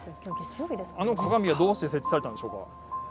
あの鏡はどうして設置されたのでしょうか。